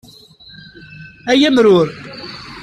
Ay amrur!